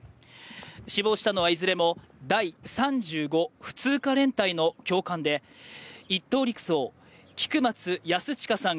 死亡したのは、いずれも第３５普通科連隊の教官で１等陸曹・菊松安親さん